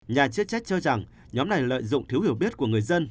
nhà chức trách cho rằng nhóm này lợi dụng thiếu hiểu biết của người dân